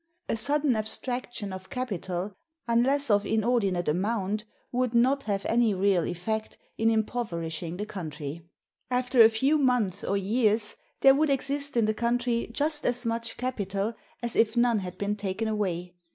A sudden abstraction of capital, unless of inordinate amount, [would not] have any real effect in impoverishing the country. After a few months or years, there would exist in the country just as much capital as if none had been taken away.